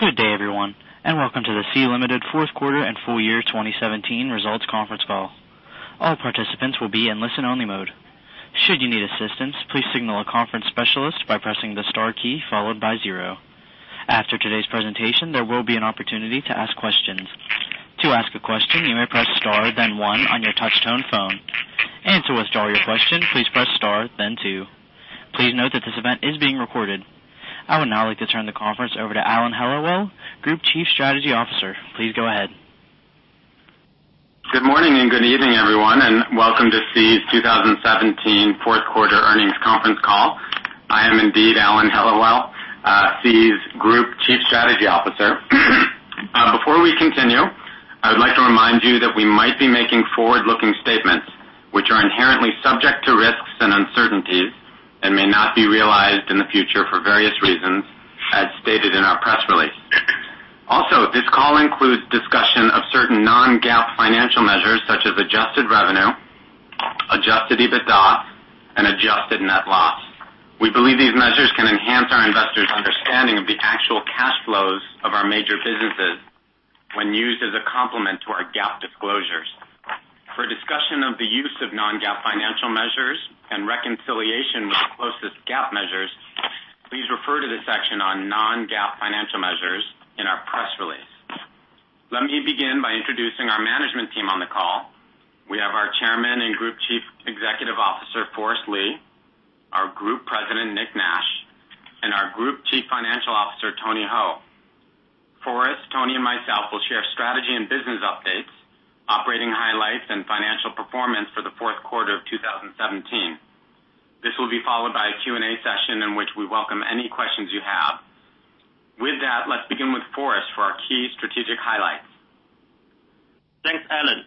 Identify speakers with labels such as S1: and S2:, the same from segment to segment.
S1: Good day, everyone, welcome to the Sea Limited fourth quarter and full year 2017 results conference call. All participants will be in listen-only mode. Should you need assistance, please signal a conference specialist by pressing the star key followed by zero. After today's presentation, there will be an opportunity to ask questions. To ask a question, you may press star then one on your touch tone phone. To withdraw your question, please press star then two. Please note that this event is being recorded. I would now like to turn the conference over to Alan Hellawell, Group Chief Strategy Officer. Please go ahead.
S2: Good morning, good evening, everyone, welcome to Sea's 2017 fourth quarter earnings conference call. I am indeed Alan Hellawell, Sea's Group Chief Strategy Officer. Before we continue, I would like to remind you that we might be making forward-looking statements, which are inherently subject to risks and uncertainties and may not be realized in the future for various reasons, as stated in our press release. This call includes discussion of certain non-GAAP financial measures such as adjusted revenue, adjusted EBITDA, and adjusted net loss. We believe these measures can enhance our investors' understanding of the actual cash flows of our major businesses when used as a complement to our GAAP disclosures. For a discussion of the use of non-GAAP financial measures and reconciliation with the closest GAAP measures, please refer to the section on non-GAAP financial measures in our press release. Let me begin by introducing our management team on the call. We have our Chairman and Group Chief Executive Officer, Forrest Li, our Group President, Nick Nash, and our Group Chief Financial Officer, Tony Hou. Forrest, Tony, and myself will share strategy and business updates, operating highlights, and financial performance for the fourth quarter of 2017. This will be followed by a Q&A session in which we welcome any questions you have. With that, let's begin with Forrest for our key strategic highlights.
S3: Thanks, Alan.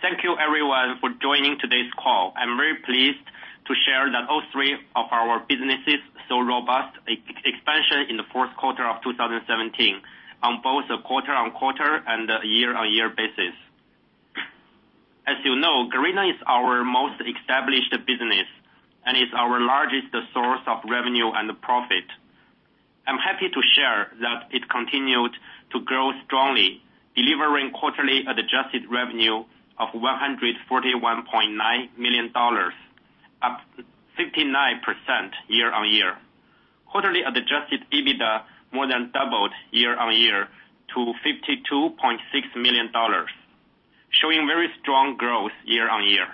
S3: Thank you everyone for joining today's call. I'm very pleased to share that all three of our businesses saw robust expansion in the fourth quarter of 2017 on both a quarter-on-quarter and year-on-year basis. As you know, Garena is our most established business and is our largest source of revenue and profit. I'm happy to share that it continued to grow strongly, delivering quarterly adjusted revenue of $141.9 million, up 59% year-on-year. Quarterly adjusted EBITDA more than doubled year-on-year to $52.6 million, showing very strong growth year-on-year.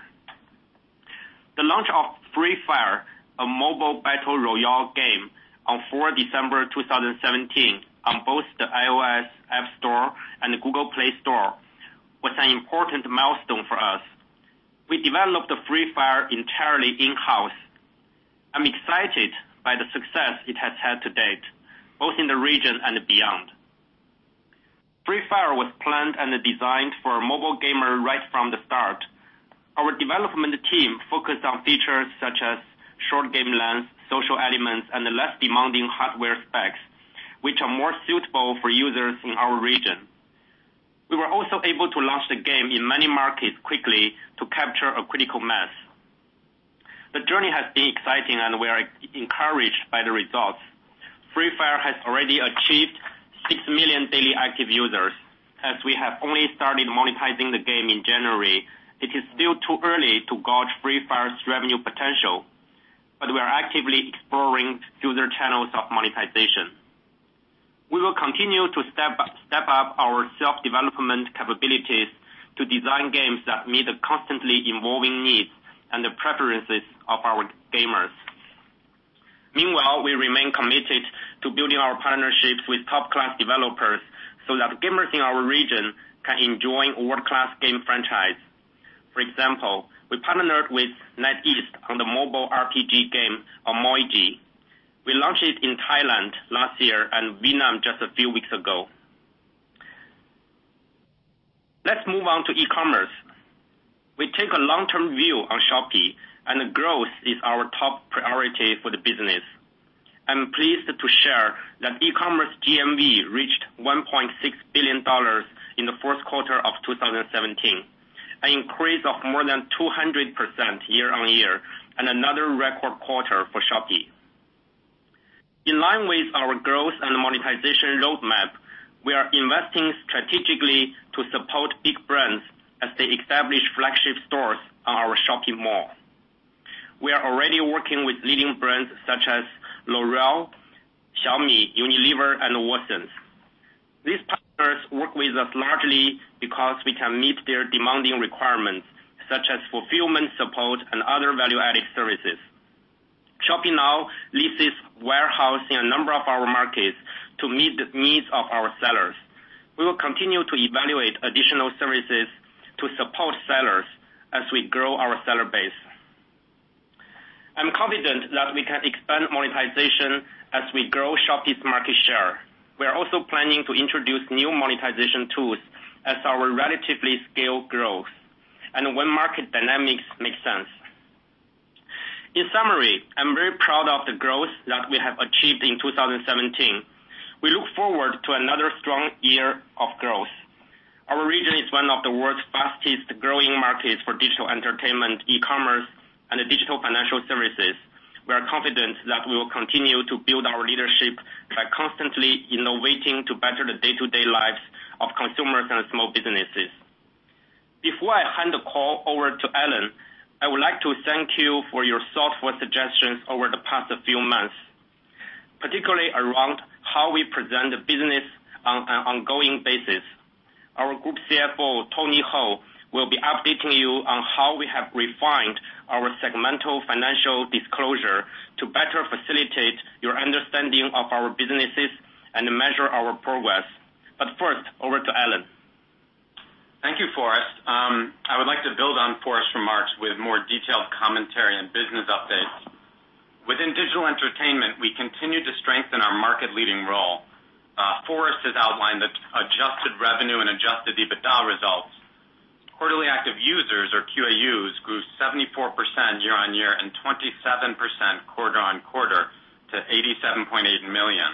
S3: The launch of Free Fire, a mobile battle royale game on 4 December 2017 on both the iOS App Store and the Google Play Store, was an important milestone for us. We developed Free Fire entirely in-house. I'm excited by the success it has had to date, both in the region and beyond. Free Fire was planned and designed for a mobile gamer right from the start. Our development team focused on features such as short game length, social elements, and less demanding hardware specs, which are more suitable for users in our region. We were also able to launch the game in many markets quickly to capture a critical mass. The journey has been exciting, and we are encouraged by the results. Free Fire has already achieved six million daily active users. As we have only started monetizing the game in January, it is still too early to gauge Free Fire's revenue potential, but we are actively exploring further channels of monetization. We will continue to step up our self-development capabilities to design games that meet the constantly evolving needs and the preferences of our gamers. Meanwhile, we remain committed to building our partnerships with top-class developers so that gamers in our region can enjoy world-class game franchises. For example, we partnered with NetEase on the mobile RPG game, Onmyoji. We launched it in Thailand last year and Vietnam just a few weeks ago. Let's move on to e-commerce. We take a long-term view on Shopee, and growth is our top priority for the business. I'm pleased to share that e-commerce GMV reached $1.6 billion in the fourth quarter of 2017, an increase of more than 200% year-on-year and another record quarter for Shopee. In line with our growth and monetization roadmap, we are investing strategically to support big brands as they establish flagship stores on our Shopee Mall. We are already working with leading brands such as L'Oréal, Xiaomi, Unilever, and Watsons. These partners work with us largely because we can meet their demanding requirements, such as fulfillment support and other value-added services. ShopeeNow leases warehousing in a number of our markets to meet the needs of our sellers. We will continue to evaluate additional services to support sellers as we grow our seller base. We are confident that we can expand monetization as we grow Shopee's market share. We are also planning to introduce new monetization tools as our relatively scaled growth and when market dynamics make sense. In summary, I'm very proud of the growth that we have achieved in 2017. We look forward to another strong year of growth. Fastest growing markets for digital entertainment, e-commerce, and digital financial services. We are confident that we will continue to build our leadership by constantly innovating to better the day-to-day lives of consumers and small businesses. Before I hand the call over to Alan, I would like to thank you for your thoughtful suggestions over the past few months, particularly around how we present the business on an ongoing basis. Our Group CFO, Tony Hou, will be updating you on how we have refined our segmental financial disclosure to better facilitate your understanding of our businesses and measure our progress. First, over to Alan.
S2: Thank you, Forrest. I would like to build on Forrest's remarks with more detailed commentary and business updates. Within digital entertainment, we continue to strengthen our market-leading role. Forrest has outlined the adjusted revenue and adjusted EBITDA results. Quarterly active users, or QAUs, grew 74% year-on-year and 27% quarter-on-quarter to 87.8 million,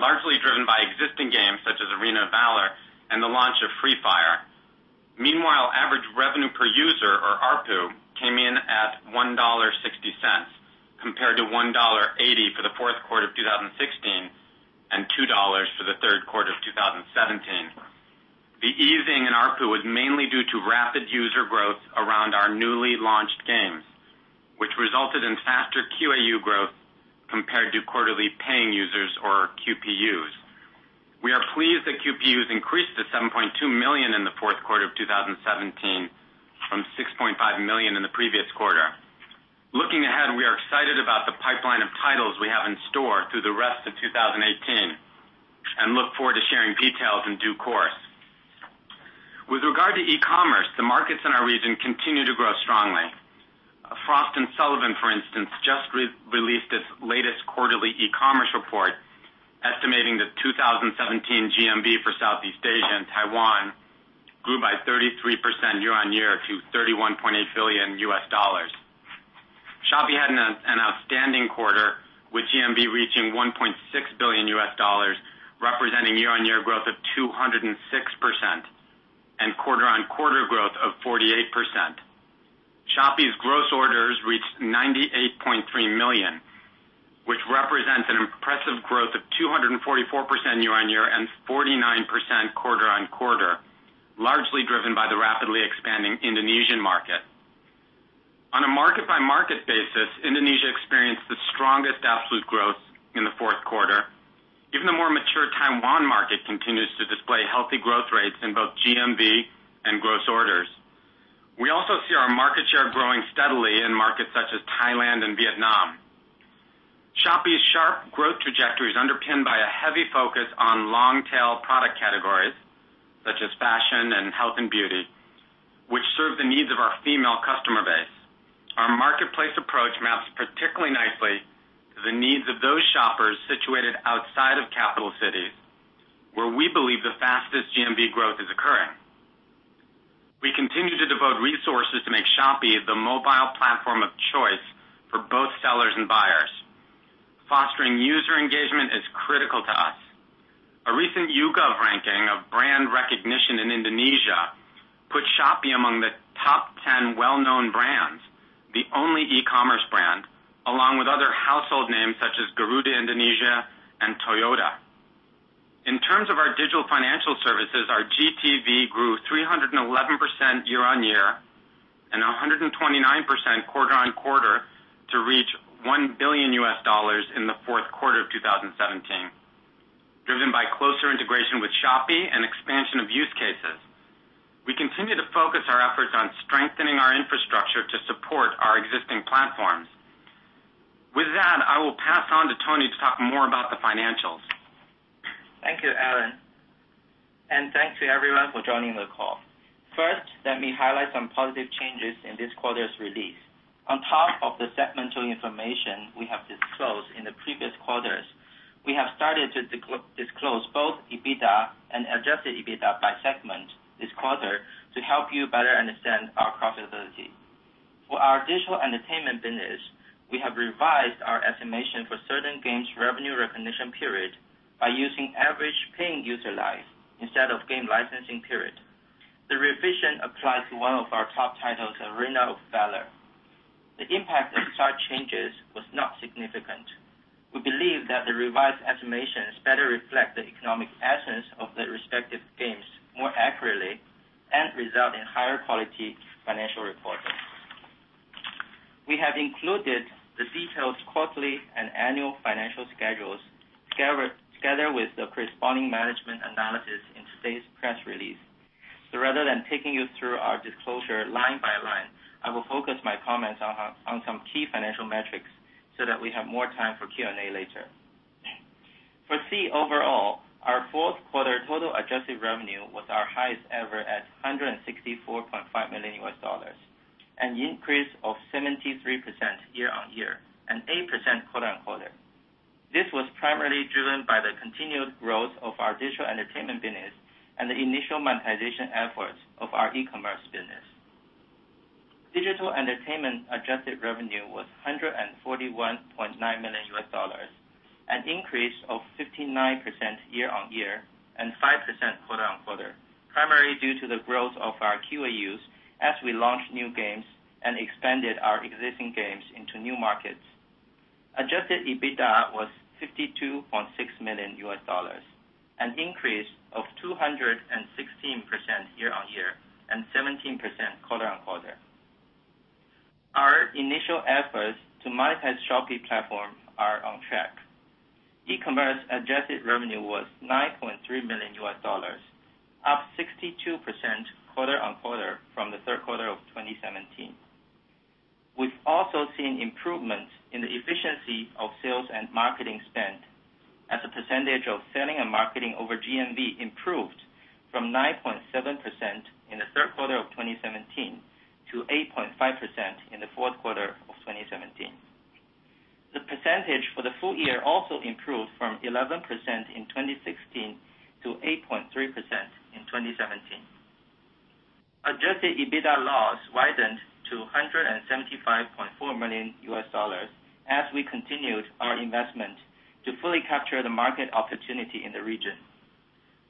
S2: largely driven by existing games such as "Arena of Valor" and the launch of "Free Fire." Meanwhile, average revenue per user, or ARPU, came in at $1.60, compared to $1.80 for the fourth quarter of 2016 and $2 for the third quarter of 2017. The easing in ARPU was mainly due to rapid user growth around our newly launched games, which resulted in faster QAU growth compared to quarterly paying users, or QPUs. We are pleased that QPUs increased to 7.2 million in the fourth quarter of 2017 from 6.5 million in the previous quarter. Looking ahead, we are excited about the pipeline of titles we have in store through the rest of 2018, and look forward to sharing details in due course. With regard to e-commerce, the markets in our region continue to grow strongly. Frost & Sullivan, for instance, just released its latest quarterly e-commerce report, estimating the 2017 GMV for Southeast Asia and Taiwan grew by 33% year-on-year to $31.8 billion. Shopee had an outstanding quarter, with GMV reaching $1.6 billion, representing year-on-year growth of 206% and quarter-on-quarter growth of 48%. Shopee's gross orders reached 98.3 million, which represents an impressive growth of 244% year-on-year and 49% quarter-on-quarter, largely driven by the rapidly expanding Indonesian market. On a market-by-market basis, Indonesia experienced the strongest absolute growth in the fourth quarter. Even the more mature Taiwan market continues to display healthy growth rates in both GMV and gross orders. We also see our market share growing steadily in markets such as Thailand and Vietnam. Shopee's sharp growth trajectory is underpinned by a heavy focus on long-tail product categories such as fashion and health and beauty, which serve the needs of our female customer base. Our marketplace approach maps particularly nicely to the needs of those shoppers situated outside of capital cities, where we believe the fastest GMV growth is occurring. We continue to devote resources to make Shopee the mobile platform of choice for both sellers and buyers. Fostering user engagement is critical to us. A recent YouGov ranking of brand recognition in Indonesia put Shopee among the top 10 well-known brands, the only e-commerce brand, along with other household names such as Garuda Indonesia and Toyota. In terms of our digital financial services, our GTV grew 311% year-on-year and 129% quarter-on-quarter to reach $1 billion in the fourth quarter of 2017, driven by closer integration with Shopee and expansion of use cases. We continue to focus our efforts on strengthening our infrastructure to support our existing platforms. With that, I will pass on to Tony to talk more about the financials.
S4: Thank you, Alan. Thanks to everyone for joining the call. First, let me highlight some positive changes in this quarter's release. On top of the segmental information we have disclosed in the previous quarters, we have started to disclose both EBITDA and adjusted EBITDA by segment this quarter to help you better understand our profitability. For our digital entertainment business, we have revised our estimation for certain games' revenue recognition period by using average paying user life instead of game licensing period. The revision applies to one of our top titles, "Arena of Valor." The impact of such changes was not significant. We believe that the revised estimations better reflect the economic essence of the respective games more accurately and result in higher quality financial reporting. We have included the detailed quarterly and annual financial schedules, together with the corresponding management analysis in today's press release. Rather than taking you through our disclosure line by line, I will focus my comments on some key financial metrics so that we have more time for Q&A later. For Sea overall, our fourth quarter total adjusted revenue was our highest ever at $164.5 million, an increase of 73% year-on-year and 8% quarter-on-quarter. This was primarily driven by the continued growth of our digital entertainment business and the initial monetization efforts of our e-commerce business. Digital entertainment adjusted revenue was $141.9 million, an increase of 59% year-on-year and 5% quarter-on-quarter, primarily due to the growth of our QAUs as we launched new games and expanded our existing games into new markets. Adjusted EBITDA was $52.6 million, an increase of 216% year-on-year and 17% quarter-on-quarter. Our initial efforts to monetize Shopee platform are on track. E-commerce adjusted revenue was $9.3 million, up 62% quarter-on-quarter from the third quarter of 2017. We've also seen improvements in the efficiency of sales and marketing spend as a percentage of selling and marketing over GMV improved from 9.7% in the third quarter of 2017 to 8.5% in the fourth quarter of 2017. The percentage for the full year also improved from 11% in 2016 to 8.3% in 2017. Adjusted EBITDA loss widened to $175.4 million as we continued our investment to fully capture the market opportunity in the region.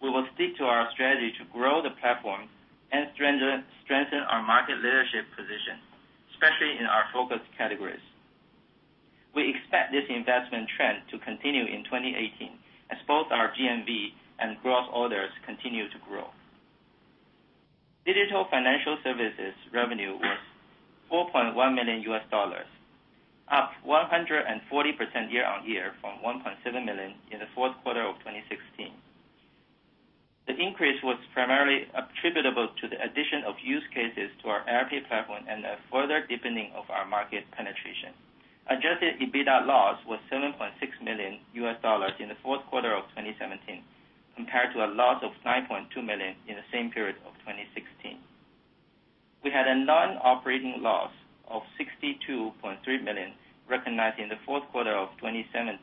S4: We will stick to our strategy to grow the platform and strengthen our market leadership position, especially in our focus categories. We expect this investment trend to continue in 2018 as both our GMV and gross orders continue to grow. Digital financial services revenue was $4.1 million, up 140% year-on-year from $1.7 million in the fourth quarter of 2016. The increase was primarily attributable to the addition of use cases to our AirPay platform and a further deepening of our market penetration. Adjusted EBITDA loss was $7.6 million in the fourth quarter of 2017, compared to a loss of $9.2 million in the same period of 2016. We had a non-operating loss of $62.3 million recognized in the fourth quarter of 2017.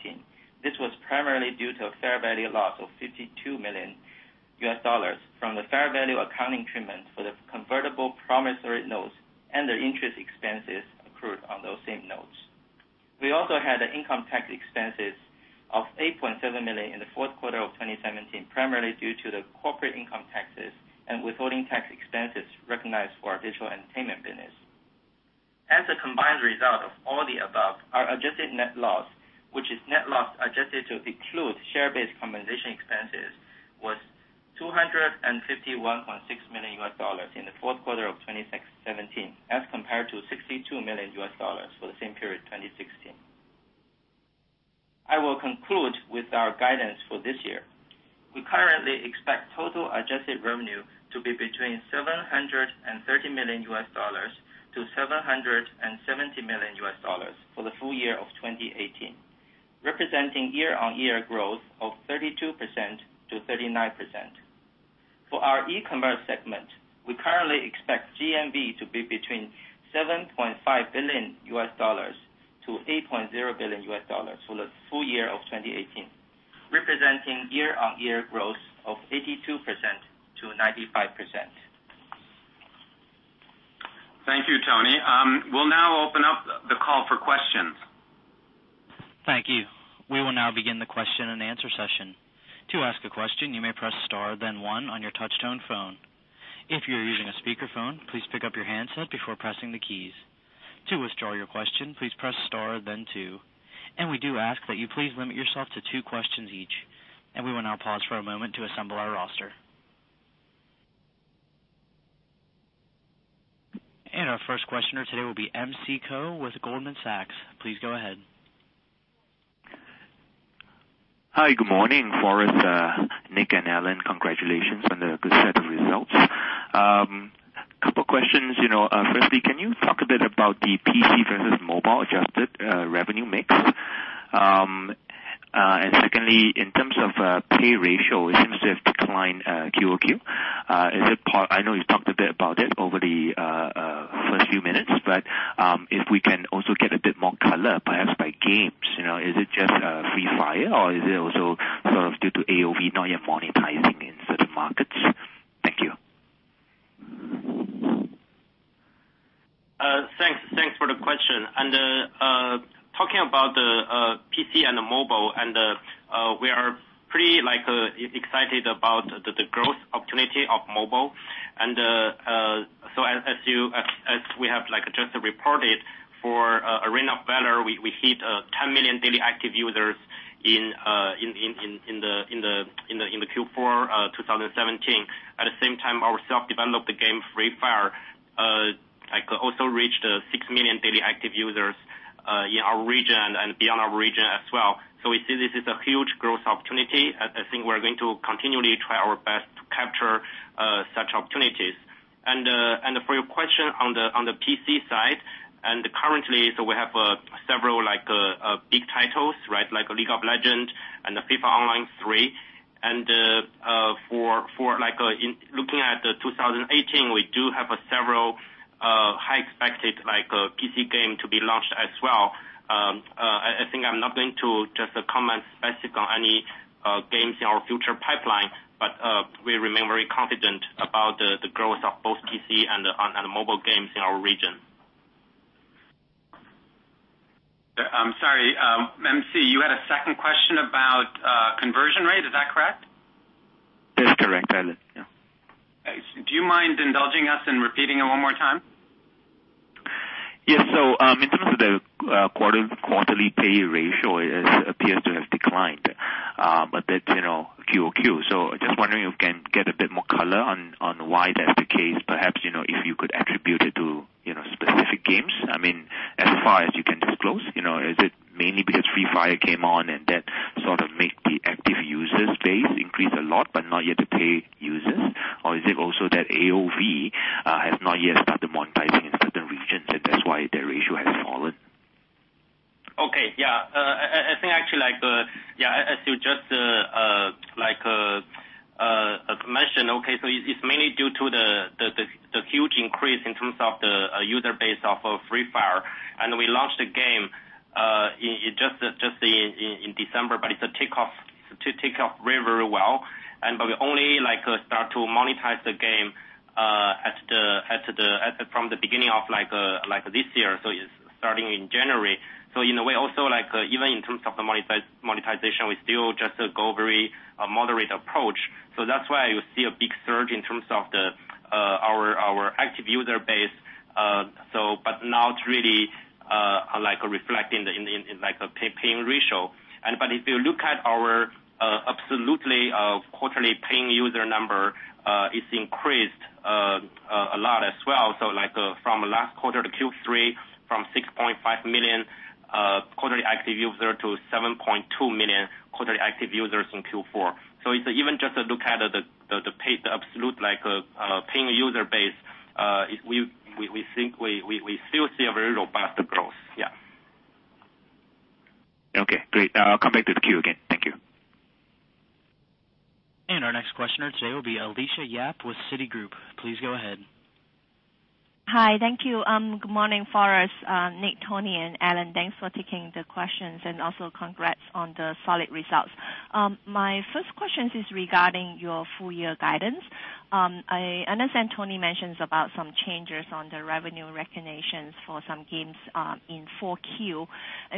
S4: This was primarily due to a fair value loss of $52 million from the fair value accounting treatment for the convertible promissory notes and the interest expenses accrued on those same notes. We also had income tax expenses of $8.7 million in the fourth quarter of 2017, primarily due to the corporate income taxes and withholding tax expenses recognized for our digital entertainment business. As a combined result of all the above, our adjusted net loss, which is net loss adjusted to exclude share-based compensation expenses, was $251.6 million in the fourth quarter of 2017 as compared to $62 million for the same period in 2016. I will conclude with our guidance for this year. We currently expect total adjusted revenue to be between $730 million-$770 million for the full year of 2018, representing year-on-year growth of 32%-39%. For our e-commerce segment, we currently expect GMV to be between $7.5 billion-$8.0 billion for the full year of 2018, representing year-on-year growth of 82%-95%.
S2: Thank you, Tony. We will now open up the call for questions.
S1: Thank you. We will now begin the question and answer session. To ask a question, you may press star then one on your touchtone phone. If you are using a speakerphone, please pick up your handset before pressing the keys. To withdraw your question, please press star then two. We do ask that you please limit yourself to two questions each. We will now pause for a moment to assemble our roster. Our first questioner today will be M.C. Koh with Goldman Sachs. Please go ahead.
S5: Hi, good morning, Forrest, Nick, and Alan. Congratulations on the good set of results. Couple questions. Firstly, can you talk a bit about the PC versus mobile adjusted revenue mix? Secondly, in terms of pay ratio, it seems to have declined QOQ. I know you talked a bit about it over the first few minutes, but if we can also get a bit more color, perhaps by games. Is it just Free Fire, or is it also sort of due to AOV not yet monetizing in certain markets? Thank you.
S3: Thanks for the question. Talking about the PC and the mobile, we are pretty excited about the growth opportunity of mobile. As we have just reported for Arena of Valor, we hit 10 million daily active users in the Q4 2017. At the same time, our self-developed game, Free Fire, also reached 6 million daily active users in our region and beyond our region as well. We see this as a huge growth opportunity, and I think we're going to continually try our best to capture such opportunities. For your question on the PC side, currently, we have several big titles, like League of Legends and FIFA Online 3. Looking at 2018, we do have several high expected PC games to be launched as well. I think I'm not going to just comment specifically on any games in our future pipeline. We remain very confident about the growth of both PC and mobile games in our region.
S2: I'm sorry, MC, you had a second question about conversion rate. Is that correct?
S5: That is correct, Alan. Yeah.
S4: Do you mind indulging us and repeating it one more time?
S5: Yes. In terms of the quarterly pay ratio, it appears to have declined. That's Q over Q. Just wondering if we can get a bit more color on why that's the case. Perhaps, if you could attribute it to specific games. I mean, as far as you can disclose. Is it mainly because Free Fire came on, and that sort of made the active user space increase a lot, but not yet the paid users? Or is it also that AOV has not yet started monetizing in certain regions, and that's why the ratio has fallen?
S3: Okay. Yeah. I think actually, as you just mentioned, it's mainly due to the huge increase in terms of the user base of Free Fire. We launched the game just in December, it took off very well. We only start to monetize the game from the beginning of this year, it's starting in January. In a way, also, even in terms of the monetization, we still just go very moderate approach. That's why you see a big surge in terms of our active user base. Now it's really reflecting in the paying ratio. If you look at our absolute quarterly paying user number, it's increased a lot as well. From last quarter to Q3, from 6.5 million quarterly active users to 7.2 million quarterly active users in Q4. Even just look at the paid absolute paying user base, we still see a very robust growth. Yeah.
S5: Okay, great. I'll come back to the queue again. Thank you.
S1: Our next questioner today will be Alicia Yap with Citigroup. Please go ahead.
S6: Hi, thank you. Good morning, Forrest, Nick, Tony, and Alan. Thanks for taking the questions, and also congrats on the solid results. My first question is regarding your full-year guidance. I understand Tony mentions about some changes on the revenue recognitions for some games in Q4.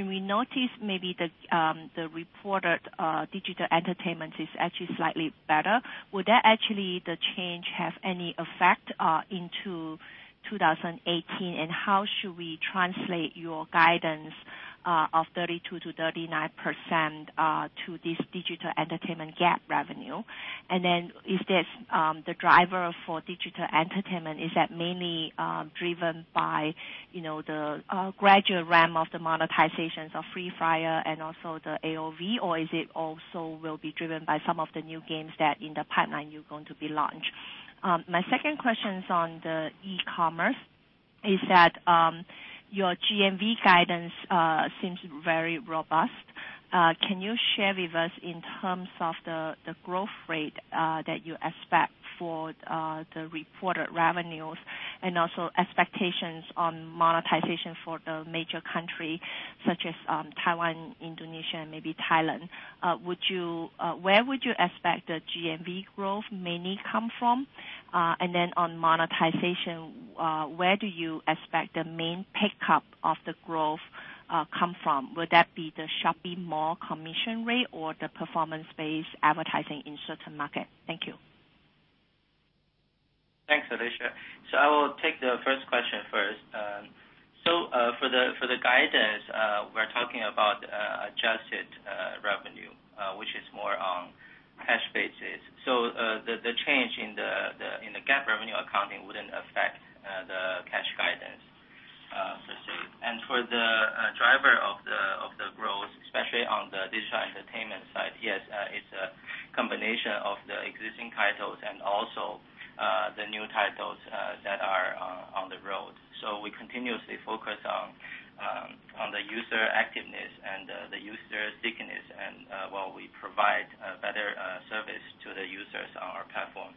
S6: We noticed maybe the reported digital entertainment is actually slightly better. Will that actually, the change, have any effect into 2018, and how should we translate your guidance of 32%-39% to this digital entertainment GAAP revenue? The driver for digital entertainment, is that mainly driven by the gradual ramp of the monetizations of Free Fire and also the AOV, or is it also will be driven by some of the new games that in the pipeline you're going to be launch? My second question is on the e-commerce, is that your GMV guidance seems very robust. Can you share with us in terms of the growth rate that you expect for the reported revenues and also expectations on monetization for the major country such as Taiwan, Indonesia, and maybe Thailand? Where would you expect the GMV growth mainly come from? On monetization, where do you expect the main pickup of the growth come from? Would that be the Shopee Mall commission rate or the performance-based advertising in certain market? Thank you.
S4: Thanks, Alicia. I will take the first question first. For the guidance, we're talking about adjusted revenue, which is more on cash basis. The change in the GAAP revenue accounting wouldn't affect the cash guidance per se. For the driver of the growth, especially on the digital entertainment side, yes, it's a combination of the existing titles and also the new titles that are on the road. We continuously focus on the user activeness and the user stickiness and while we provide a better service to the users on our platform.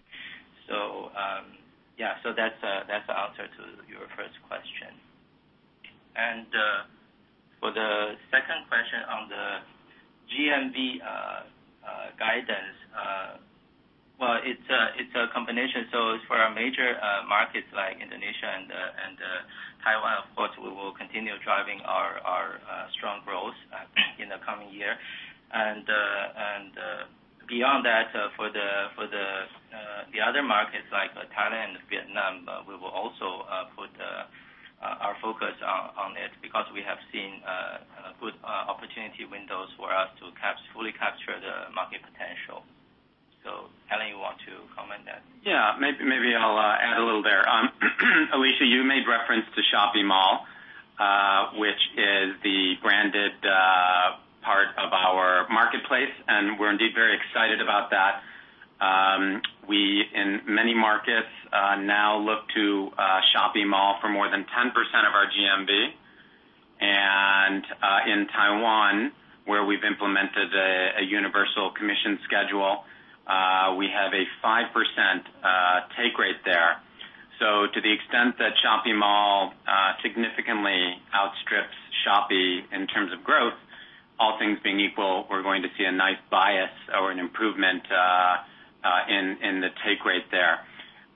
S4: Yeah. That's the answer to your first question. For the second question on the GMV guidance, well, it's a combination. For our major markets like Indonesia and Taiwan, of course, we will continue driving our strong growth in the coming year. Beyond that, for the other markets like Thailand and Vietnam, we will also put our focus on it because we have seen good opportunity windows for us to fully capture the market potential. Alan, you want to comment that?
S2: Yeah. Maybe I'll add a little there. Alicia, you made reference to Shopee Mall, which is the branded part of our marketplace, and we're indeed very excited about that. We, in many markets, now look to Shopee Mall for more than 10% of our GMV. In Taiwan, where we've implemented a universal commission schedule, we have a 5% take rate there. To the extent that Shopee Mall All things being equal, we're going to see a nice bias or an improvement in the take rate there.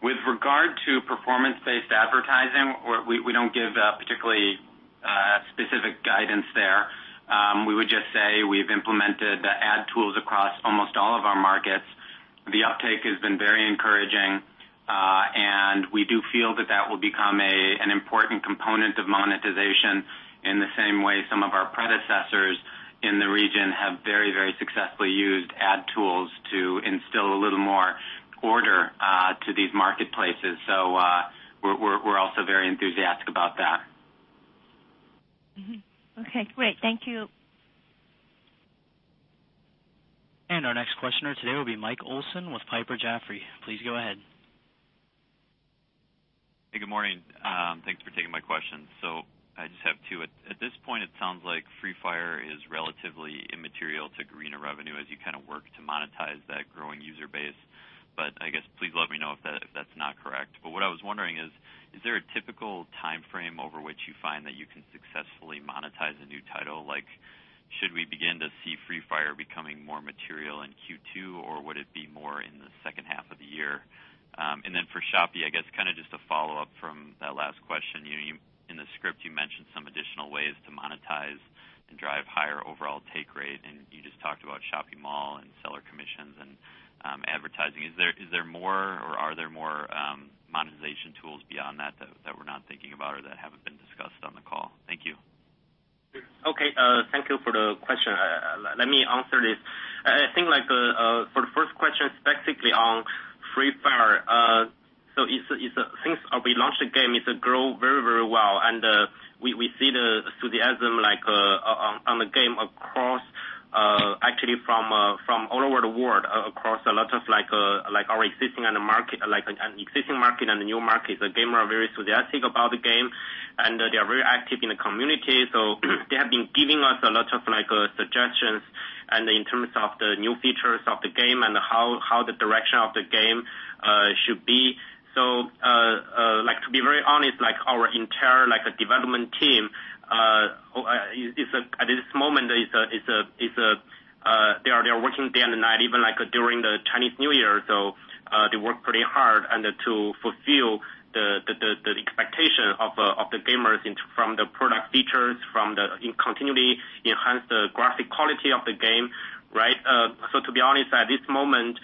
S2: With regard to performance-based advertising, we don't give particularly specific guidance there. We would just say we've implemented the ad tools across almost all of our markets. The uptake has been very encouraging, and we do feel that that will become an important component of monetization in the same way some of our predecessors in the region have very successfully used ad tools to instill a little more order to these marketplaces. We're also very enthusiastic about that.
S6: Mm-hmm. Okay, great. Thank you.
S1: Our next questioner today will be Mike Olson with Piper Jaffray. Please go ahead.
S7: Hey, good morning. Thanks for taking my question. I just have two. At this point, it sounds like Free Fire is relatively immaterial to Garena revenue as you kind of work to monetize that growing user base. I guess please let me know if that's not correct. What I was wondering is: Is there a typical timeframe over which you find that you can successfully monetize a new title? Should we begin to see Free Fire becoming more material in Q2, or would it be more in the second half of the year? For Shopee, I guess kind of just a follow-up from that last question. In the script, you mentioned some additional ways to monetize and drive higher overall take rate, and you just talked about Shopee Mall and seller commissions and advertising. Is there more or are there more monetization tools beyond that we're not thinking about or that haven't been discussed on the call? Thank you.
S3: Okay. Thank you for the question. Let me answer this. I think for the first question, specifically on Free Fire. Since we launched the game, it's grown very well, and we see the enthusiasm on the game across, actually from all over the world, across a lot of our existing market and new markets. The gamers are very enthusiastic about the game, and they are very active in the community. They have been giving us a lot of suggestions in terms of the new features of the game and how the direction of the game should be. To be very honest, our entire development team at this moment, they are working day and night, even during the Chinese New Year. They work pretty hard to fulfill the expectation of the gamers from the product features, from continually enhance the graphic quality of the game. To be honest, at this moment,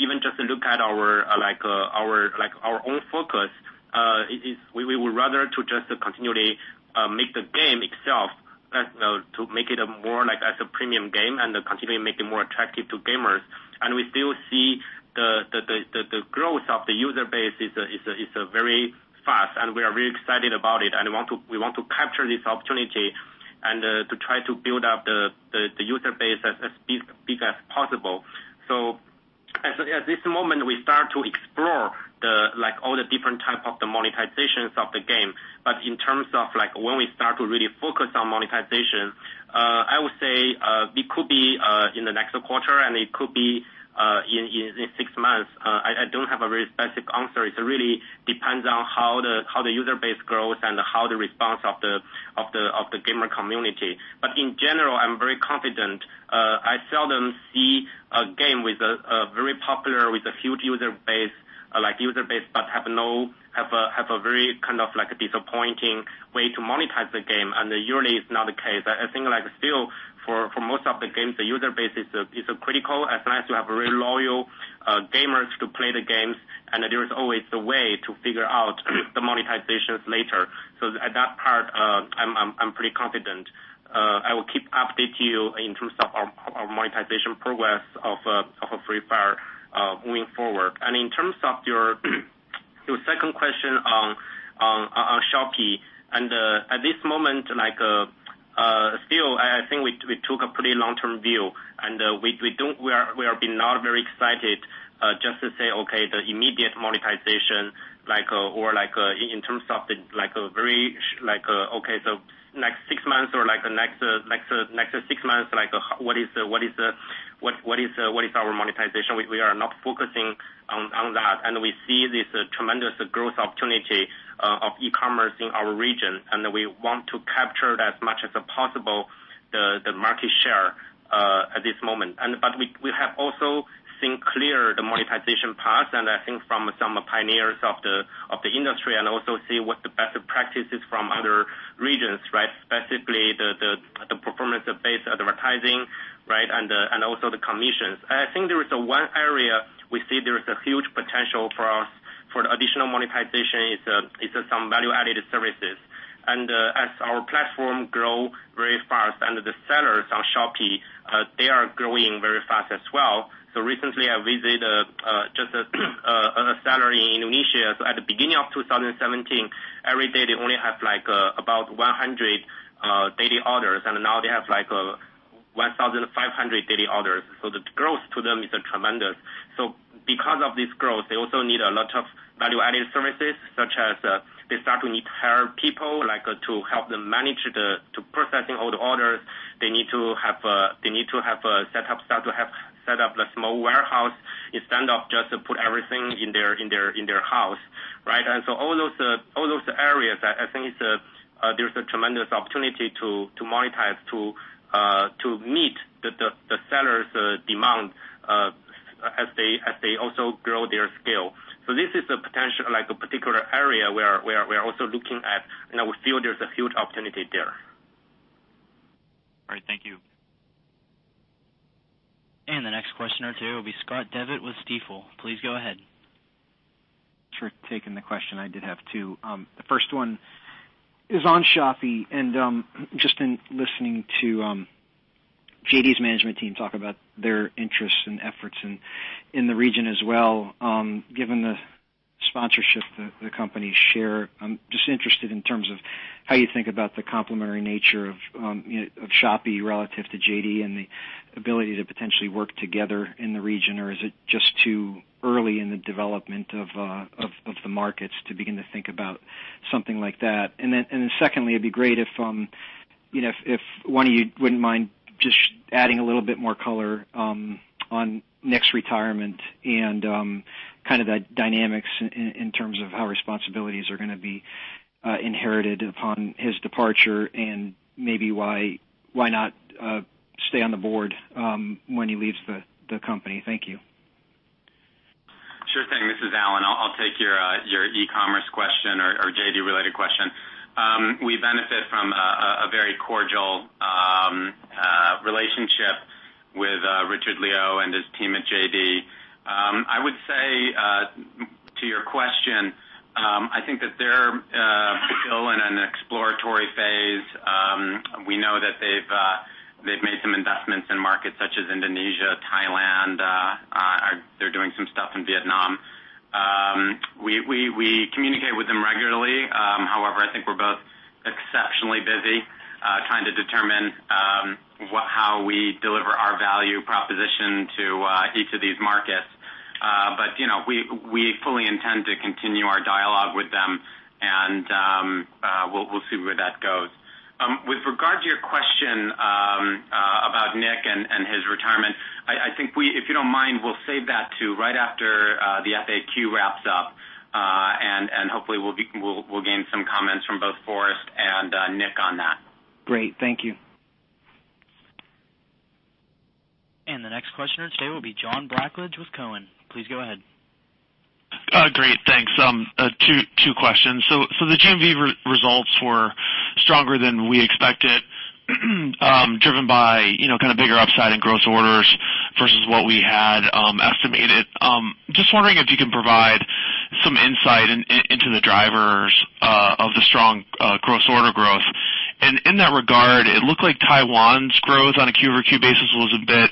S3: even just to look at our own focus, we would rather to just continually make the game itself, to make it more as a premium game and continually make it more attractive to gamers. We still see the growth of the user base is very fast, and we are very excited about it. We want to capture this opportunity and to try to build up the user base as big as possible. At this moment, we start to explore all the different type of the monetizations of the game. In terms of when we start to really focus on monetization, I would say it could be in the next quarter, and it could be in six months. I don't have a very specific answer. It really depends on how the user base grows and how the response of the gamer community. In general, I'm very confident. I seldom see a game very popular with a huge user base, but have a very kind of disappointing way to monetize the game. Usually it's not the case. I think still, for most of the games, the user base is critical. As long as you have very loyal gamers to play the games, and there is always a way to figure out the monetizations later. At that part, I'm pretty confident. I will keep updating you in terms of our monetization progress of Free Fire going forward. In terms of your second question on Shopee, at this moment, still, I think we took a pretty long-term view, and we are not very excited just to say, okay, the immediate monetization or in terms of the next six months or the next six months, what is our monetization? We are not focusing on that. We see this tremendous growth opportunity of e-commerce in our region, and we want to capture as much as possible the market share at this moment. We have also seen clear the monetization path, and I think from some pioneers of the industry, and also see what the best practices from other regions. Specifically, the performance-based advertising. Also the commissions. I think there is one area we see there is a huge potential for us for the additional monetization. It's some value-added services. As our platform grow very fast and the sellers on Shopee, they are growing very fast as well. Recently, I visit just a seller in Indonesia. At the beginning of 2017, every day, they only have about 100 daily orders, and now they have 1,500 daily orders. The growth to them is tremendous. Because of this growth, they also need a lot of value-added services, such as they start to need to hire people to help them manage to processing all the orders. They need to set up the small warehouse instead of just put everything in their house. Right. All those areas, I think there's a tremendous opportunity to monetize, to meet the sellers' demand as they also grow their scale. This is a potential, a particular area we are also looking at, and we feel there's a huge opportunity there.
S7: All right. Thank you.
S1: The next questioner today will be Scott Devitt with Stifel. Please go ahead.
S8: Thanks for taking the question. I did have two. The first one is on Shopee, and just in listening to JD.com's management team talk about their interests and efforts in the region as well, given the sponsorship the companies share, I'm just interested in terms of how you think about the complementary nature of Shopee relative to JD.com and the ability to potentially work together in the region, or is it just too early in the development of the markets to begin to think about something like that? Secondly, it'd be great if one of you wouldn't mind just adding a little bit more color on Nick's retirement and the dynamics in terms of how responsibilities are going to be inherited upon his departure, maybe why not stay on the board when he leaves the company. Thank you.
S2: Sure thing. This is Alan. I'll take your e-commerce question or JD.com-related question. We benefit from a very cordial relationship with Richard Liu and his team at JD.com. I would say, to your question, I think that they're still in an exploratory phase. We know that they've made some investments in markets such as Indonesia, Thailand. They're doing some stuff in Vietnam. We communicate with them regularly. However, I think we're both exceptionally busy trying to determine how we deliver our value proposition to each of these markets. We fully intend to continue our dialogue with them, and we'll see where that goes. With regard to your question about Nick and his retirement, I think if you don't mind, we'll save that till right after the FAQ wraps up, hopefully we'll gain some comments from both Forrest and Nick on that.
S8: Great. Thank you.
S1: The next questioner today will be John Blackledge with Cowen. Please go ahead.
S9: Great. Thanks. Two questions. The GMV results were stronger than we expected, driven by kind of bigger upside in gross orders versus what we had estimated. Just wondering if you can provide some insight into the drivers of the strong gross order growth. In that regard, it looked like Taiwan's growth on a Q-over-Q basis was a bit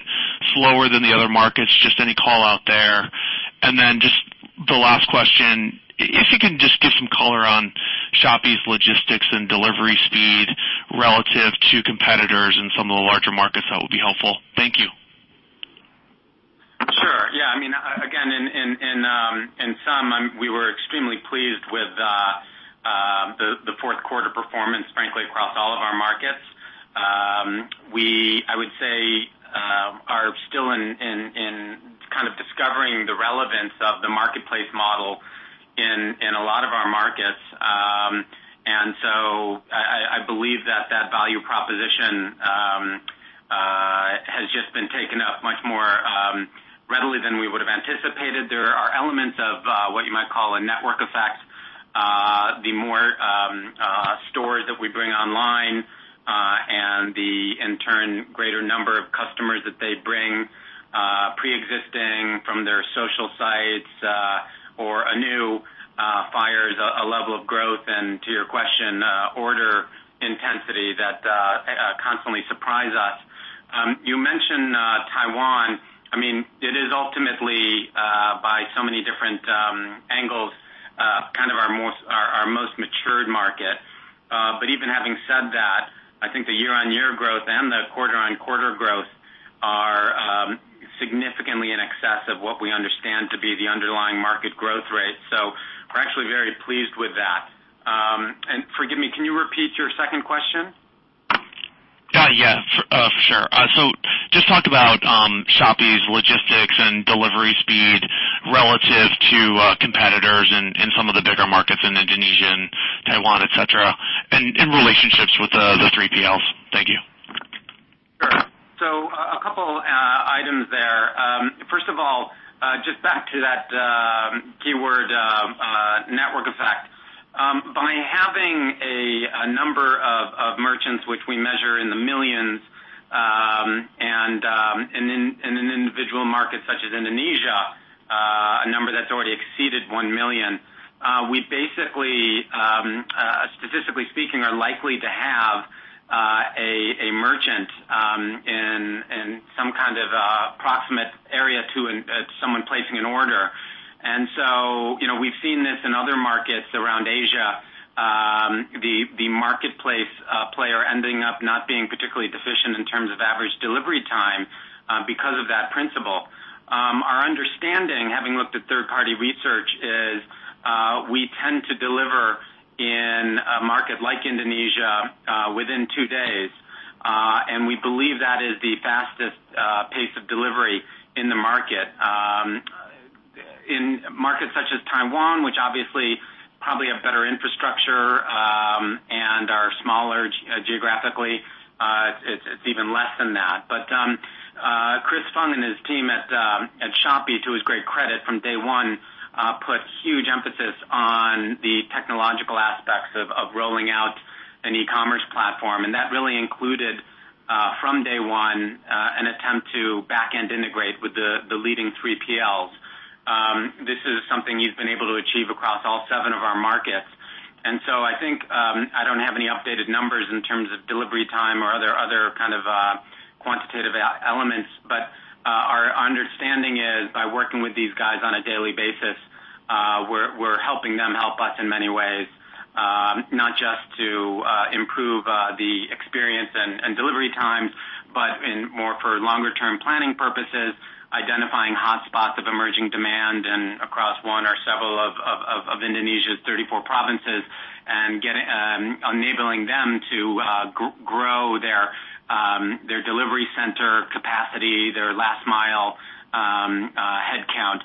S9: slower than the other markets, just any call-out there. Then just the last question, if you can just give some color on Shopee's logistics and delivery speed relative to competitors in some of the larger markets, that would be helpful. Thank you.
S2: Sure. Yeah. Again, in sum, we were extremely pleased with the fourth quarter performance, frankly, across all of our markets. We, I would say, are still in kind of discovering the relevance of the marketplace model in a lot of our markets. I believe that that value proposition has just been taken up much more readily than we would've anticipated. There are elements of what you might call a network effect. The more stores that we bring online, and the, in turn, greater number of customers that they bring preexisting from their social sites, or anew, fires a level of growth and, to your question, order intensity that constantly surprise us. You mentioned Taiwan. It is ultimately, by so many different angles, kind of our most matured market. Even having said that, I think the year-on-year growth and the quarter-on-quarter growth are significantly in excess of what we understand to be the underlying market growth rate. We're actually very pleased with that. Forgive me, can you repeat your second question?
S9: Yeah, for sure. Just talk about Shopee's logistics and delivery speed relative to competitors in some of the bigger markets in Indonesia and Taiwan, et cetera, and relationships with the 3PLs. Thank you.
S2: Sure. A couple items there. First of all, back to that keyword, network effect. By having a number of merchants which we measure in the millions, and in an individual market such as Indonesia, a number that's already exceeded 1 million, we basically, statistically speaking, are likely to have a merchant in some kind of a proximate area to someone placing an order. We've seen this in other markets around Asia, the marketplace player ending up not being particularly deficient in terms of average delivery time because of that principle. Our understanding, having looked at third-party research, is we tend to deliver in Indonesia, within 2 days. We believe that is the fastest pace of delivery in the market. In markets such as Taiwan, which obviously probably have better infrastructure, and are smaller geographically, it's even less than that. Chris Feng and his team at Shopee, to his great credit, from day one, put huge emphasis on the technological aspects of rolling out an e-commerce platform. That really included, from day one, an attempt to backend integrate with the leading 3PLs. This is something he's been able to achieve across all 7 of our markets. I think, I don't have any updated numbers in terms of delivery time or other kind of quantitative elements. Our understanding is, by working with these guys on a daily basis, we're helping them help us in many ways. Not just to improve the experience and delivery times, but in more for longer-term planning purposes, identifying hotspots of emerging demand and across one or several of Indonesia's 34 provinces, and enabling them to grow their delivery center capacity, their last-mile headcount,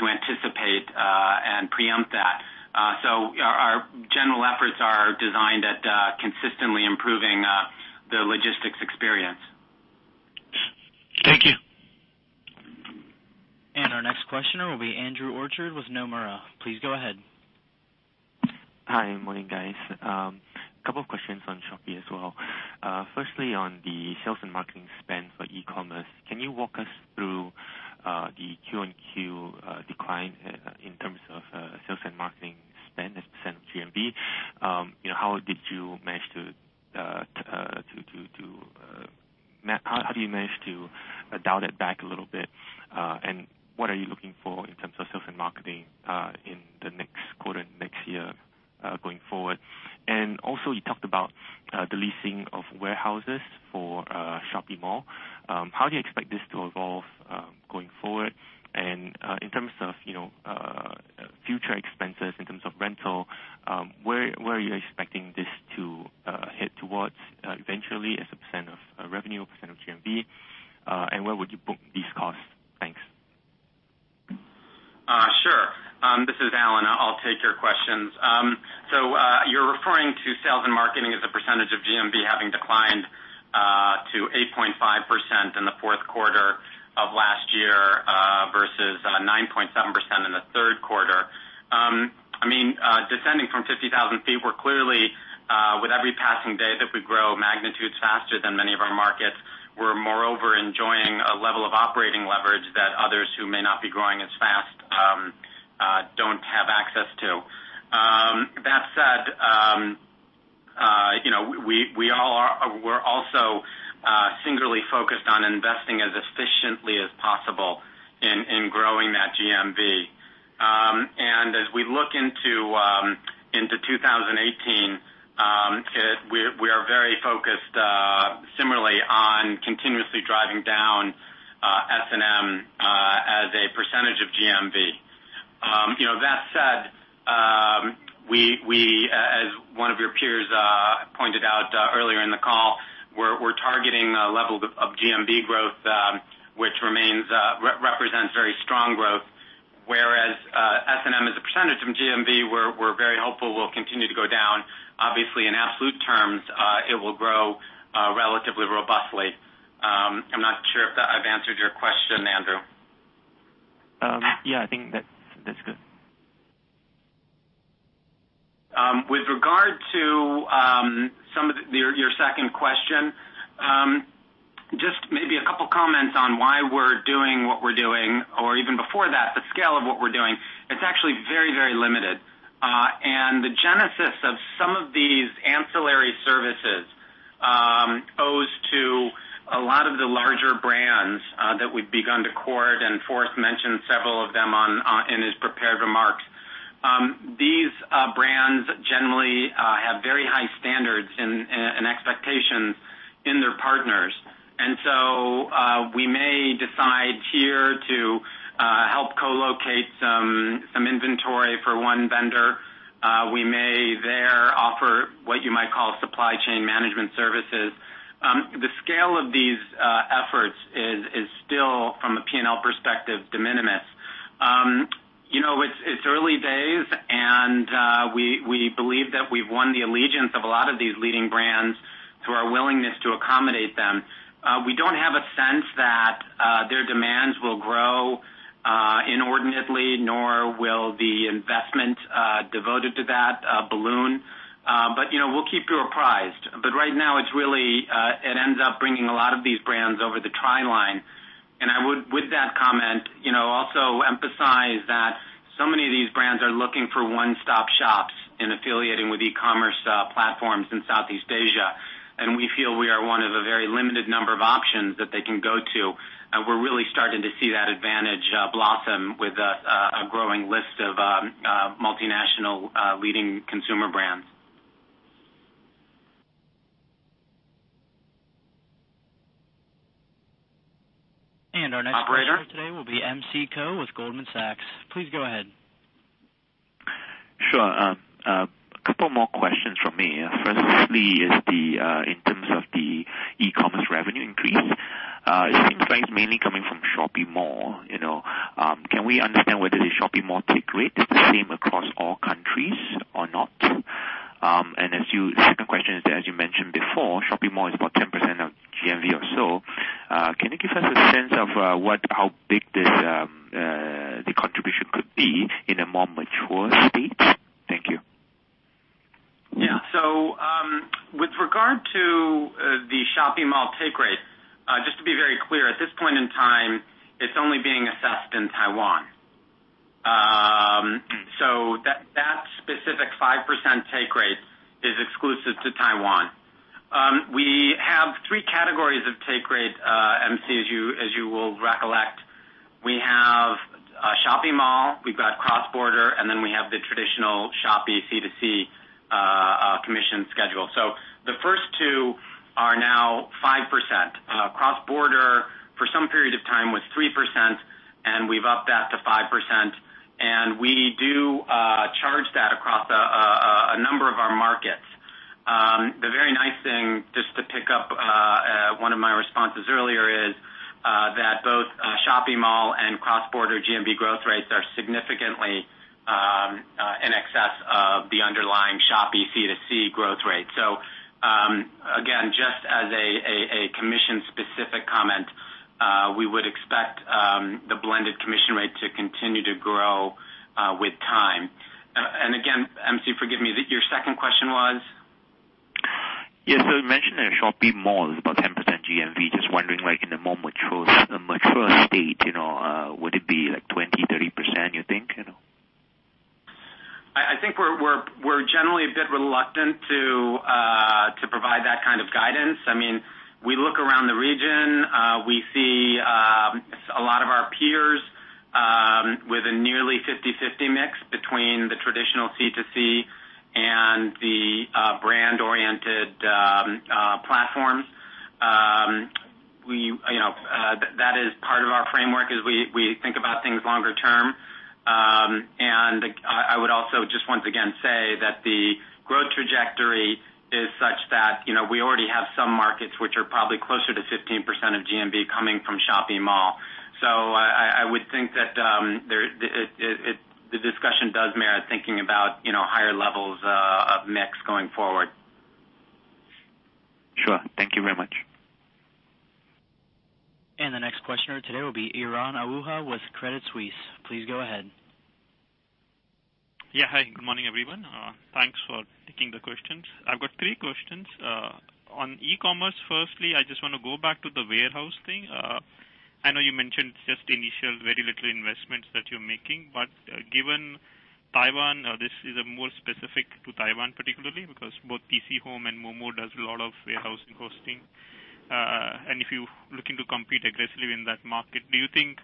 S2: to anticipate and preempt that. Our general efforts are designed at consistently improving the logistics experience.
S9: Thank you.
S1: Our next questioner will be Andrew Orchard with Nomura. Please go ahead.
S10: Hi. Morning, guys. Couple of questions on Shopee as well. Firstly, on the sales and marketing spend for e-commerce, can you walk us through the Q on Q decline in terms of sales and marketing spend as a % of GMV? How do you manage to dial that back a little bit? What are you looking for in terms of sales and marketing in the next quarter, next year, going forward? You talked about the leasing of warehouses for Shopee Mall. How do you expect this to evolve going forward? In terms of future expenses, in terms of rental, where are you expecting this to head towards eventually as a % of revenue, % of GMV? Where would you book these costs? Thanks.
S2: Sure. This is Alan. I'll take your questions. You're referring to sales and marketing as a % of GMV having declined to 8.5% in the fourth quarter of last year versus 9.7% in the third quarter. Descending from 50,000 feet, we're clearly, with every passing day, that we grow magnitudes faster than many of our markets. We're moreover enjoying a level of operating leverage that others who may not be growing as fast don't have access to. That said, we're also singularly focused on investing as efficiently as possible in growing that GMV. As we look into 2018, we are very focused similarly on continuously driving down S&M as a % of GMV. That said, as one of your peers pointed out earlier in the call, we're targeting a level of GMV growth, which represents very strong growth. Whereas S&M, as a % of GMV, we're very hopeful will continue to go down. Obviously, in absolute terms, it will grow relatively robustly. I'm not sure if I've answered your question, Andrew.
S10: Yeah, I think that's good.
S2: With regard to your second question, just maybe a couple of comments on why we're doing what we're doing, or even before that, the scale of what we're doing. It's actually very limited. The genesis of some of these ancillary services owes to a lot of the larger brands that we've begun to court, Forrest mentioned several of them in his prepared remarks. These brands generally have very high standards and expectations in their partners. We may decide here to help co-locate some inventory for one vendor. We may there offer what you might call supply chain management services. The scale of these efforts is still, from a P&L perspective, de minimis. It's early days, we believe that we've won the allegiance of a lot of these leading brands through our willingness to accommodate them. We don't have a sense that their demands will grow inordinately, nor will the investment devoted to that balloon. We'll keep you apprised. Right now, it ends up bringing a lot of these brands over the try line. I would, with that comment, also emphasize that so many of these brands are looking for one-stop shops in affiliating with e-commerce platforms in Southeast Asia, we feel we are one of a very limited number of options that they can go to. We're really starting to see that advantage blossom with a growing list of multinational leading consumer brands.
S1: Our next question today will be MC Ko with Goldman Sachs. Please go ahead.
S5: Sure. A couple more questions from me. Firstly is in terms of the e-commerce revenue increase. It seems like it's mainly coming from Shopee Mall. Can we understand whether the Shopee Mall take rate is the same across all countries or not? The second question is that, as you mentioned before, Shopee Mall is about 10% of GMV or so. Can you give us a sense of how big the contribution could be in a more mature state? Thank you.
S2: Yeah. With regard to the Shopee Mall take rate, just to be very clear, at this point in time, it's only being assessed in Taiwan. That specific 5% take rate is exclusive to Taiwan. We have three categories of take rate, MC, as you will recollect. We have Shopee Mall, we've got cross-border, and then we have the traditional Shopee C2C commission schedule. The first two are now 5%. Cross-border, for some period of time, was 3%, and we've upped that to 5%. We do charge that across a number of our markets. The very nice thing, just to pick up one of my responses earlier, is that both Shopee Mall and cross-border GMV growth rates are significantly in excess of the underlying Shopee C2C growth rate. Again, just as a commission-specific comment, we would expect the blended commission rate to continue to grow with time. Again, MC, forgive me, your second question was?
S5: Yes. You mentioned that Shopee Mall is about 10% GMV. Just wondering, like, in the more mature state, would it be 20%, 30%, you think?
S2: I think we're generally a bit reluctant to provide that kind of guidance. We look around the region, we see a lot of our peers with a nearly 50/50 mix between the traditional C2C and the brand-oriented platforms. That is part of our framework as we think about things longer term. I would also just once again say that the growth trajectory is such that we already have some markets which are probably closer to 15% of GMV coming from Shopee Mall. I would think that the discussion does merit thinking about higher levels of mix going forward.
S5: Sure. Thank you very much.
S1: The next questioner today will be Varun Ahuja with Credit Suisse. Please go ahead.
S11: Yeah. Hi. Good morning, everyone. Thanks for taking the questions. I've got three questions. On e-commerce, firstly, I just want to go back to the warehouse thing. I know you mentioned just initial very little investments that you're making, but given Taiwan, this is more specific to Taiwan, particularly because both PChome and Momo does a lot of warehousing hosting. If you're looking to compete aggressively in that market, do you think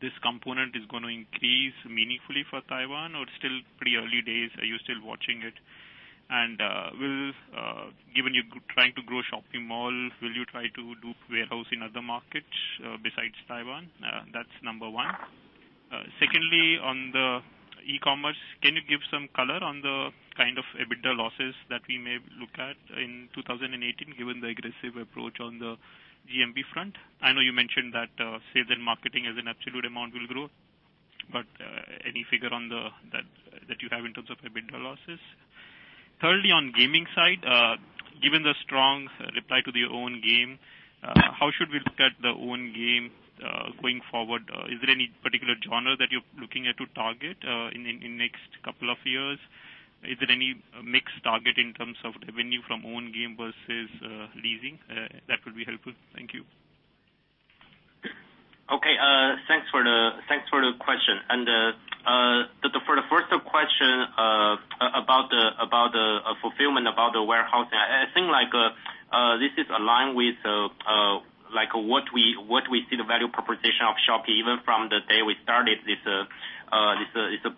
S11: this component is going to increase meaningfully for Taiwan, or it's still pretty early days? Are you still watching it? Given you're trying to grow Shopee Mall, will you try to do warehousing in other markets besides Taiwan? That's number 1. Secondly, on the e-commerce, can you give some color on the kind of EBITDA losses that we may look at in 2018, given the aggressive approach on the GMV front? I know you mentioned that sales and marketing as an absolute amount will grow, but any figure that you have in terms of EBITDA losses? Thirdly, on gaming side, given the strong reply to the own game, how should we look at the own game going forward? Is there any particular genre that you're looking at to target in the next couple of years? Is there any mixed target in terms of revenue from own game versus leasing? That would be helpful. Thank you.
S3: Okay. Thanks for the question. For the first question about the fulfillment, about the warehousing, I think this is aligned with what we see the value proposition of Shopee, even from the day we started this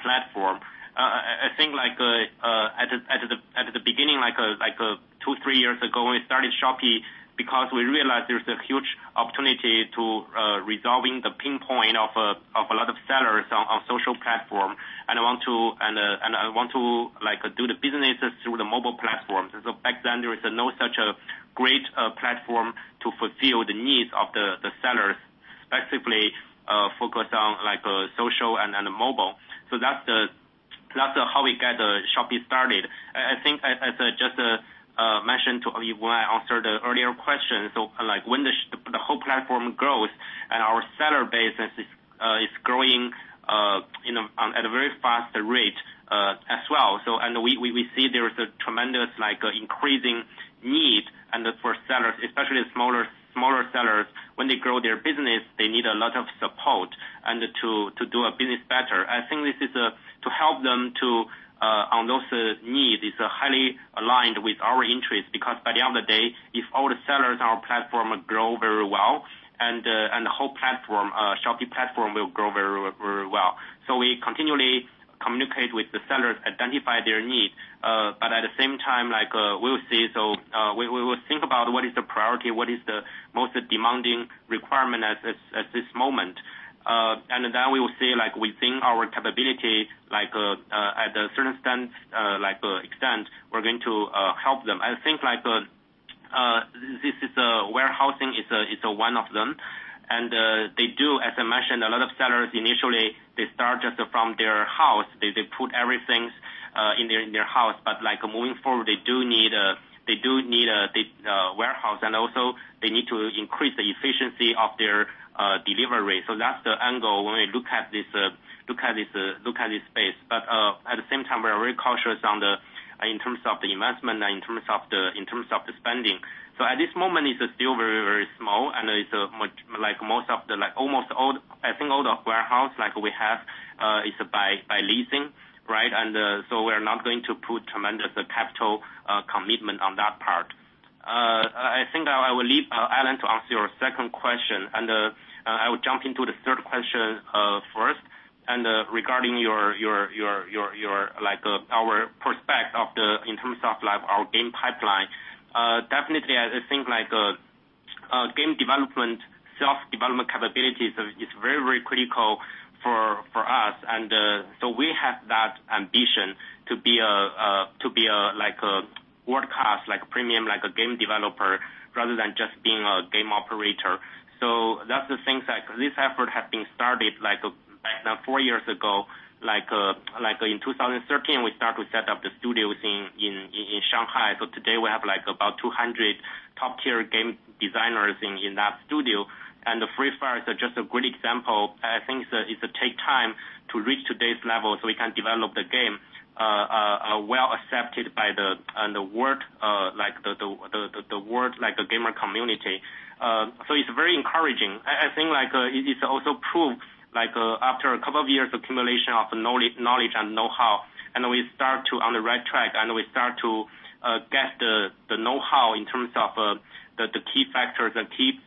S3: platform. I think at the beginning, like two, three years ago, we started Shopee because we realized there's a huge opportunity to resolving the pain point of a lot of sellers on social platform, I want to do the businesses through the mobile platforms. Back then, there is no such a great platform to fulfill the needs of the sellers, specifically focused on social and mobile. That's how we got Shopee started. I think as I just mentioned to you when I answered the earlier question, when the whole platform grows and our seller base is growing at a very fast rate as well. We see there is a tremendous increasing need. For sellers, especially smaller sellers, when they grow their business, they need a lot of support to do a business better. I think this is to help them on those needs. It's highly aligned with our interests, because at the end of the day, if all the sellers on our platform grow very well, the whole Shopee platform will grow very well. We continually communicate with the sellers, identify their needs. Time, we'll see. We will think about what is the priority, what is the most demanding requirement at this moment. Then we will see within our capability, at a certain extent, we're going to help them. I think warehousing is one of them. They do, as I mentioned, a lot of sellers initially, they start just from their house. They put everything in their house. Moving forward, they do need a warehouse, also they need to increase the efficiency of their delivery. That's the angle when we look at this space. At the same time, we are very cautious in terms of the investment and in terms of the spending. At this moment, it's still very, very small, I think all the warehouse we have is by leasing, right? We are not going to put tremendous capital commitment on that part. I think I will leave Alan to answer your second question, I will jump into the third question first. Regarding our prospect in terms of our game pipeline. Definitely, I think game development, self-development capabilities is very, very critical for us. We have that ambition to be a world-class, premium game developer rather than just being a game operator. That's the thing, this effort has been started back now four years ago. In 2013, we start to set up the studios in Shanghai. Today we have about 200 top-tier game designers in that studio. The Free Fire is just a good example. I think it take time to reach today's level, so we can develop the game well-accepted by the world gamer community. It's very encouraging. I think it also proves after a couple of years accumulation of knowledge and know-how, and we start to on the right track, and we start to get the know-how in terms of the key factors and key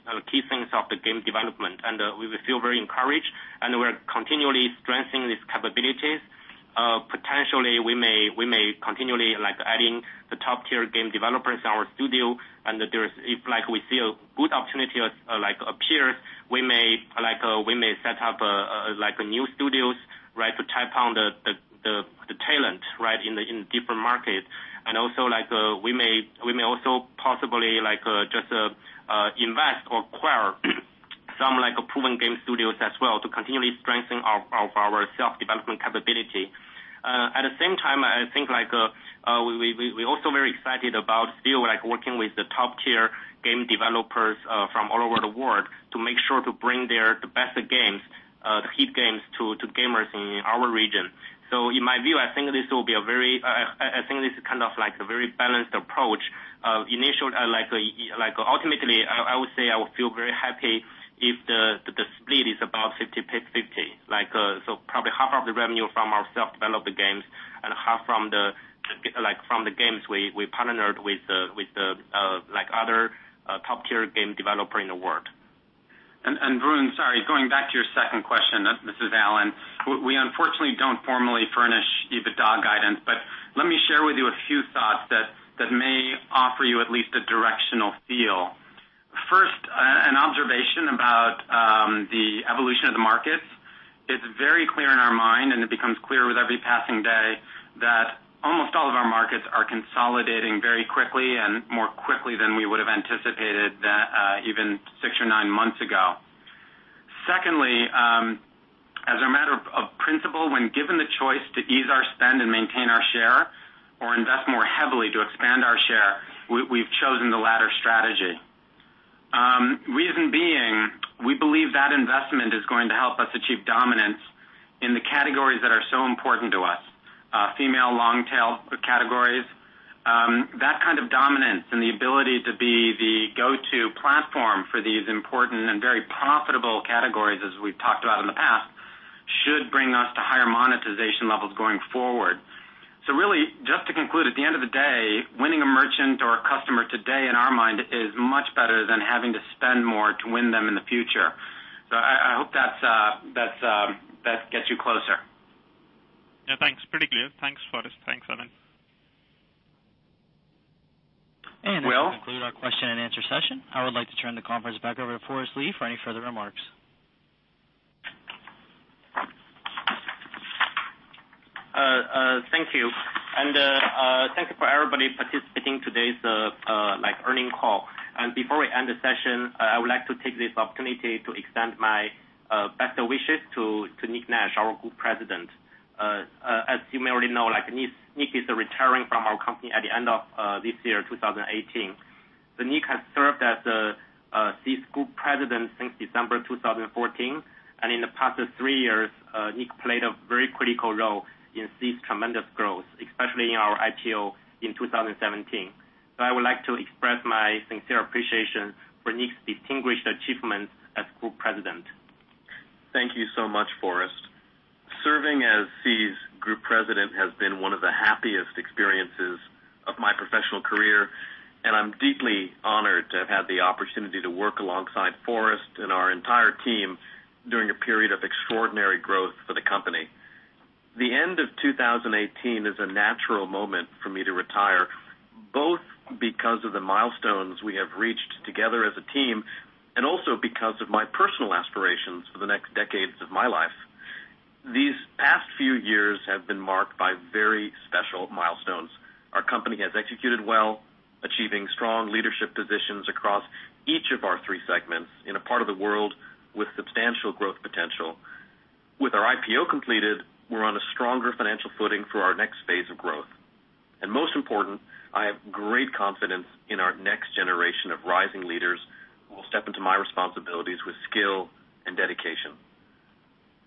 S3: things of the game development. We feel very encouraged, and we're continually strengthening these capabilities. Potentially, we may continually adding the top-tier game developers in our studio, and if we see a good opportunity appears, we may set up a new studios, right? To tap on the talent, right, in the different markets. We may also possibly just invest or acquire some proven game studios as well to continually strengthen our self-development capability. At the same time, I think we also very excited about still working with the top-tier game developers from all over the world to make sure to bring the best games, the hit games, to gamers in our region. In my view, I think this is kind of like a very balanced approach. Ultimately, I would say I would feel very happy if the split is about 50-50. Probably half of the revenue from our self-developed games and half from the games we partnered with other top-tier game developer in the world.
S2: Varun, sorry, going back to your second question. This is Alan. We unfortunately don't formally furnish EBITDA guidance, but let me share with you a few thoughts that may offer you at least a directional feel. First, an observation about the evolution of the markets. It's very clear in our mind, and it becomes clearer with every passing day, that almost all of our markets are consolidating very quickly and more quickly than we would have anticipated even six or nine months ago. Secondly, as a matter of principle, when given the choice to ease our spend and maintain our share or invest more heavily to expand our share, we've chosen the latter strategy. Reason being, we believe that investment is going to help us achieve dominance in the categories that are so important to us, female long-tail categories. That kind of dominance and the ability to be the go-to platform for these important and very profitable categories, as we've talked about in the past, should bring us to higher monetization levels going forward. Really, just to conclude, at the end of the day, winning a merchant or a customer today in our mind is much better than having to spend more to win them in the future. I hope that gets you closer.
S11: Yeah, thanks. Pretty clear. Thanks, Forrest. Thanks, Alan.
S1: That will conclude our question and answer session. I would like to turn the conference back over to Forrest Li for any further remarks.
S3: Thank you. Thank you for everybody participating today's earning call. Before we end the session, I would like to take this opportunity to extend my best wishes to Nick Nash, our Group President. As you may already know, Nick is retiring from our company at the end of this year, 2018. Nick has served as Sea's Group President since December 2014, and in the past three years, Nick played a very critical role in Sea's tremendous growth, especially in our IPO in 2017. I would like to express my sincere appreciation for Nick's distinguished achievements as Group President.
S12: Thank you so much, Forrest. Serving as Sea's Group President has been one of the happiest experiences of my professional. I'm deeply honored to have had the opportunity to work alongside Forrest and our entire team during a period of extraordinary growth for the company. The end of 2018 is a natural moment for me to retire, both because of the milestones we have reached together as a team, and also because of my personal aspirations for the next decades of my life. These past few years have been marked by very special milestones. Our company has executed well, achieving strong leadership positions across each of our three segments in a part of the world with substantial growth potential. With our IPO completed, we're on a stronger financial footing for our next phase of growth. Most important, I have great confidence in our next generation of rising leaders who will step into my responsibilities with skill and dedication.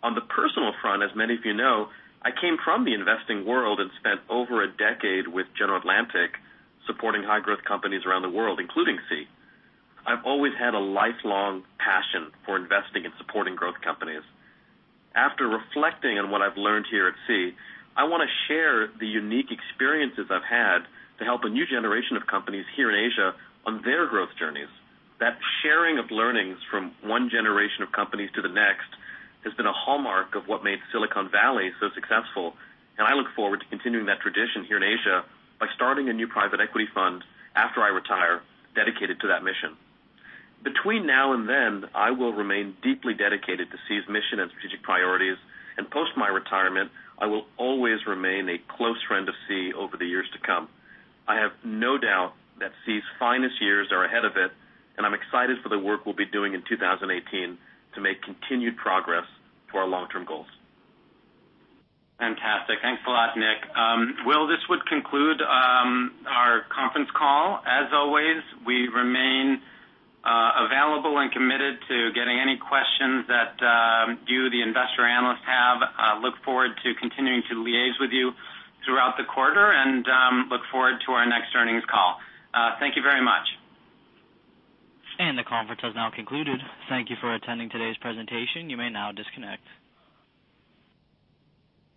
S12: On the personal front, as many of you know, I came from the investing world and spent over a decade with General Atlantic supporting high-growth companies around the world, including Sea. I've always had a lifelong passion for investing in supporting growth companies. After reflecting on what I've learned here at Sea, I want to share the unique experiences I've had to help a new generation of companies here in Asia on their growth journeys. That sharing of learnings from one generation of companies to the next has been a hallmark of what made Silicon Valley so successful, and I look forward to continuing that tradition here in Asia by starting a new private equity fund after I retire dedicated to that mission. Between now and then, I will remain deeply dedicated to Sea's mission and strategic priorities, and post my retirement, I will always remain a close friend of Sea over the years to come. I have no doubt that Sea's finest years are ahead of it, and I'm excited for the work we'll be doing in 2018 to make continued progress to our long-term goals.
S2: Fantastic. Thanks a lot, Nick. This would conclude our conference call. As always, we remain available and committed to getting any questions that you, the investor analysts have. Look forward to continuing to liaise with you throughout the quarter, and look forward to our next earnings call. Thank you very much.
S1: The conference has now concluded. Thank you for attending today's presentation. You may now disconnect.